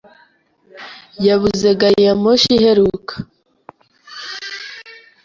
Yabuze gari ya moshi iheruka.